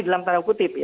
dalam tanah kutip